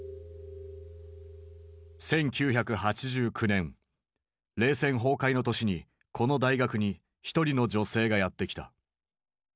１９８９年冷戦崩壊の年にこの大学に一人の女性がやって来た。